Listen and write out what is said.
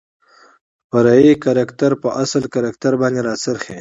فرعي کرکتر په اصلي کرکتر باندې راڅرخي .